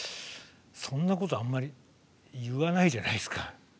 そんなことはあんまり言わないじゃないですか。